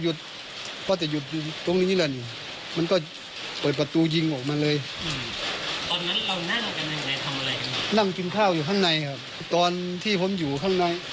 ซึ่งเหมือนมีพวกนั้นจะมาขายราคาพูด